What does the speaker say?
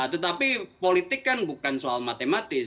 tetapi politik kan bukan soal matematis